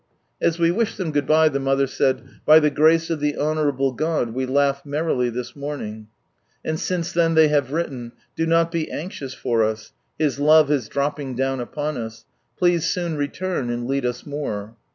As we wished them good bye, the mother said, " By the grace of the Honourable God we laugh merrily this morning ;" and since then they have written, " Do not be anxious for us. His love !s dropping down upon us. Please soon return, and lead us more."